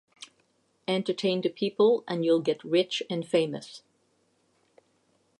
Entertain the people and you'll get rich and famous.